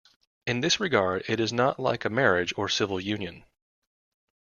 In this regard it is not like a marriage or civil union.